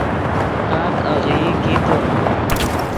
تات آغیئی کیتے